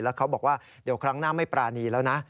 แล้วเขาบอกว่าเดี๋ยวครั้งหน้าไม่ปรานีแล้วนะ